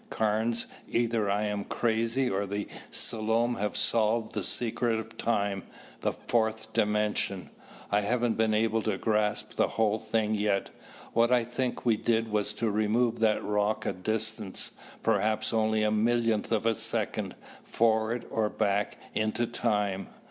Carnes, either I am crazy or the Selom have solved the secret of time, the fourth dimension. I haven't been able to grasp the whole thing yet. What I think we did was to remove that rock a distance, perhaps only a millionth of a second, forward or back into time.